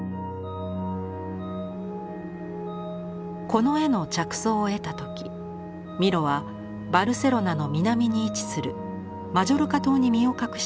この絵の着想を得た時ミロはバルセロナの南に位置するマジョルカ島に身を隠していました。